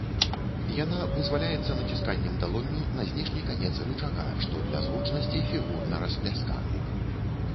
Яна вызваляецца націсканнем далонню на знешні канец рычага, што для зручнасці фігурна расплясканы.